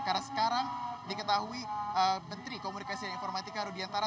karena sekarang diketahui menteri komunikasi dan informatika rudiantara